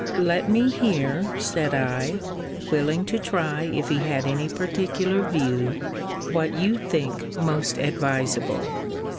Let me hear, said I, (willing to try if he had any particular view,) what you think most advisable?